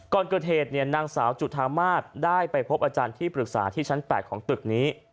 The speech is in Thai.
ก่อนเกิดเหตุนางสาวจุธามาศได้ไปพบอาจารย์ที่ปรึกษาที่ชั้น๘ของตึกนี้